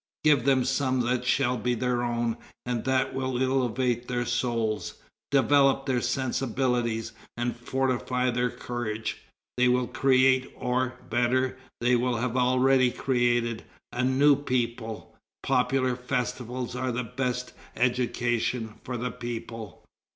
Give them some that shall be their own, and that will elevate their souls, develop their sensibilities, and fortify their courage. They will create, or, better, they have already created, a new people. Popular festivals are the best education for the people."